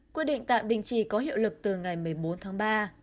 quyết định tạm bình chỉ có hiệu lực từ ngày một mươi bốn tháng ba